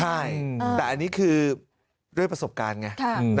ใช่แต่อันนี้คือด้วยประสบการณ์ไง